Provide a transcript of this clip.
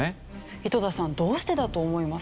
井戸田さんどうしてだと思いますか？